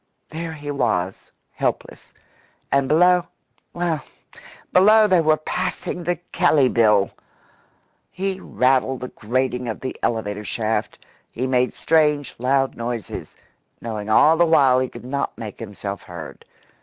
There he was helpless. And below well, below they were passing the Kelley Bill! He rattled the grating of the elevator shaft. He made strange, loud noises, knowing all the while he could not make himself heard.